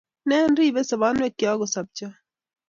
Inen ribei sobonwek cho kosopschon